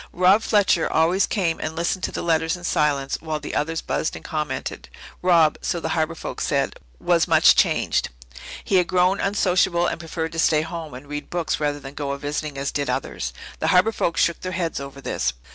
Rob Fletcher always came and listened to the letters in silence while the others buzzed and commented. Rob, so the Harbour folk said, was much changed. He had grown unsociable and preferred to stay home and read books rather than go a visiting as did others. The Harbour folk shook their heads over this.